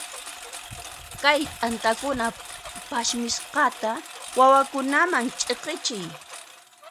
Kay t'antakuna phasmisqata wawakunaman ch'iqichiy.